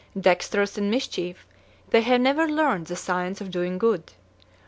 Dexterous in mischief, they have never learned the science of doing good.